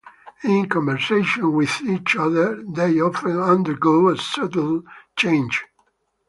In conversations with each other, they often undergo a subtle change.